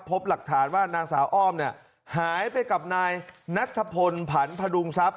พบหลักฐานว่านางสาวอ้อมเนี่ยหายไปกับนายนัทพลผันพดุงทรัพย